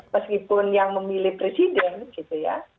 meskipun yang memilih presiden gitu ya